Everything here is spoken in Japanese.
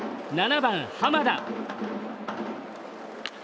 ７番、濱田。